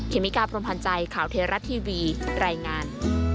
เมกาพรมพันธ์ใจข่าวเทราะทีวีรายงาน